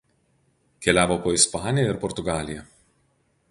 Keliavo po Ispaniją ir Portugaliją.